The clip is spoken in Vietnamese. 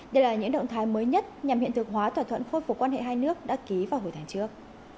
đây là những động thái mới nhất nhằm hiện thực hóa thỏa thuận khôi phục quan hệ hai nước đã ký vào hồi tháng trước